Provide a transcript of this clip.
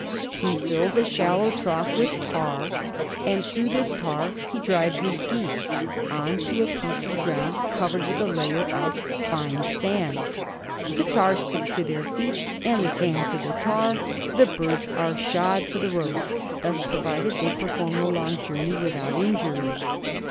He fills a shallow trough with tar, and through this trough he drives his geese on to a piece of ground covered with a layer of fine sand. The tar sticks to their feet and the sand to the tar; the birds are shod for the road. Thus provided, ||iey perform the long journey without injury.